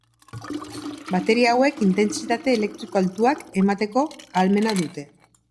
Bateria hauek intentsitate elektriko altuak emateko ahalmena dute.